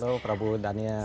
halo prabu daniar